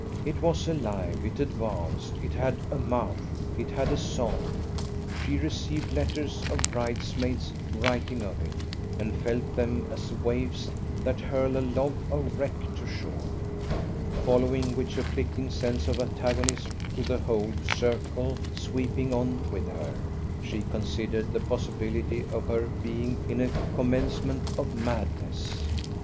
It was alive, it advanced, it had a mouth, it had a song. She received letters of bridesmaids writing of it, and felt them as waves that hurl a log of wreck to shore. Following which afflicting sense of antagonism to the whole circle sweeping on with her, she considered the possibility of her being in a commencement of madness.